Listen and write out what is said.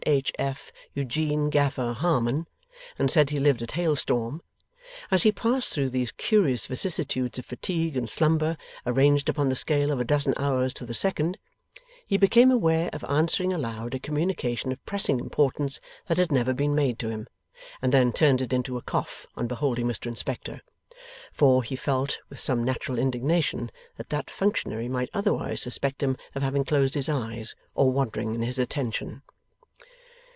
H. F. Eugene Gaffer Harmon, and said he lived at Hailstorm, as he passed through these curious vicissitudes of fatigue and slumber, arranged upon the scale of a dozen hours to the second, he became aware of answering aloud a communication of pressing importance that had never been made to him, and then turned it into a cough on beholding Mr Inspector. For, he felt, with some natural indignation, that that functionary might otherwise suspect him of having closed his eyes, or wandered in his attention.